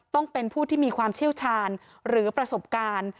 ต้องเป็นผู้ที่มีความเชี่ยวชาญหรือประสบการณ์